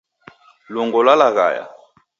Lungo lwalaghaya.